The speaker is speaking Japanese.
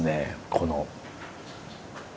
この。